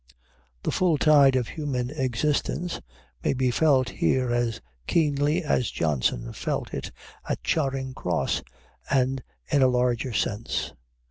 "The full tide of human existence" may be felt here as keenly as Johnson felt it at Charing Cross, and in a larger sense.